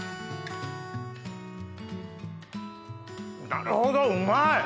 なるほどうまい！